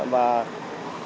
và gây ủn tắc